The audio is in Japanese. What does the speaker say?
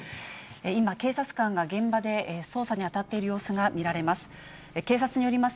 今、警察官が現場で捜査に当たっている様子が見られます。